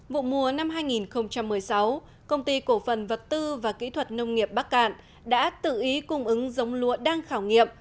vụ mùa năm hai nghìn một mươi sáu công ty cổ phần vật tư và kỹ thuật nông nghiệp bắc cạn đã tự ý cung ứng giống lúa đang khảo nghiệm